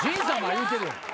言うてる。